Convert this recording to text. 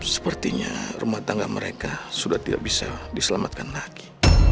sepertinya rumah tangga mereka sudah tidak bisa diselamatkan lagi